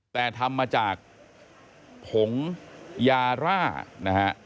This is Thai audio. แต่ทำมาจากผงยาร่านะฮะ